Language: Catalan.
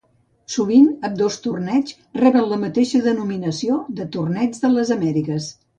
Sovint, ambdós torneigs reben la mateixa denominació de Torneig de les Amèriques.